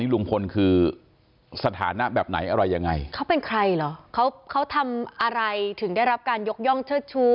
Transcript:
ลุงพลคือสถานะแบบไหนอะไรยังไงเขาเป็นใครเหรอเขาเขาทำอะไรถึงได้รับการยกย่องเชิดชู้